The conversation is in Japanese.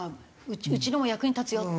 うちのも役に立つよっていう。